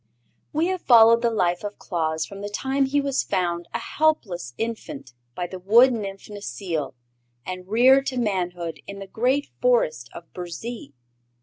We have followed the life of Claus from the time he was found a helpless infant by the Wood Nymph Necile and reared to manhood in the great Forest of Burzee.